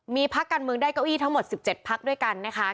มีพักการเมืองได้เก้าอี้ทั้งหมด๑๗พักด้วยกันนะคะ